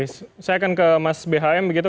saya akan ke mas bhm begitu